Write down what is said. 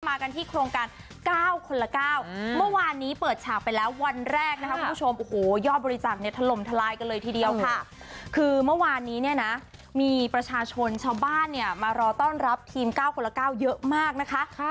มากันที่โครงการ๙คนละ๙เมื่อวานนี้เปิดฉากไปแล้ววันแรกนะคะคุณผู้ชมโอ้โหยอดบริจาคเนี่ยถล่มทลายกันเลยทีเดียวค่ะคือเมื่อวานนี้เนี่ยนะมีประชาชนชาวบ้านเนี่ยมารอต้อนรับทีม๙คนละ๙เยอะมากนะคะ